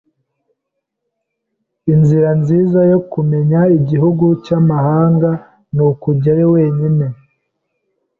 Inzira nziza yo kumenya igihugu cyamahanga nukujyayo wenyine.